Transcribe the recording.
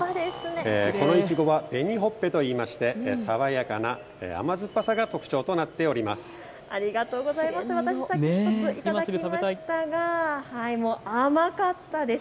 このいちごは紅ほっぺといいまして爽やかな甘酸っぱさが特徴となっています。